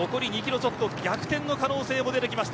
ちょっと逆転の可能性も出てきました。